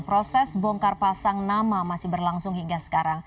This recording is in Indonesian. proses bongkar pasang nama masih berlangsung hingga sekarang